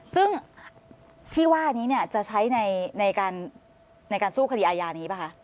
ซึ่งที่ว่านี้เนี่ยจะใช้ในการสู้คดีอาญานี้ป่ะคะ